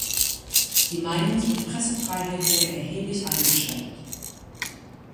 Die Meinungs- und Pressefreiheit wurde erheblich eingeschränkt.